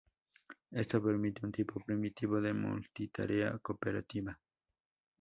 Esto permite un tipo primitivo de multitarea cooperativa.